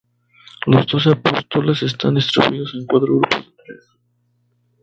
Los doce Apóstoles están distribuidos en cuatro grupos de tres.